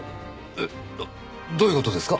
えっどういう事ですか？